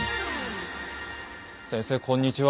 先生こんにちは。